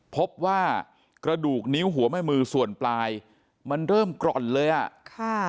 พบว่ากระดูกนิ้วหัวแม่มือส่วนปลายมันเริ่มกร่อนเลยอ่ะค่ะ